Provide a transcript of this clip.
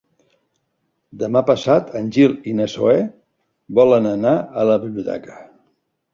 Demà passat en Gil i na Zoè volen anar a la biblioteca.